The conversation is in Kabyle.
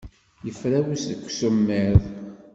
Yefrawes seg usemmiḍ.